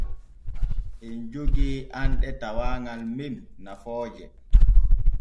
Em jogee anɗe tawaagal men nafooje.